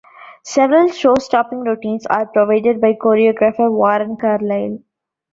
Several show-stopping routines are provided by choreographer Warren Carlyle.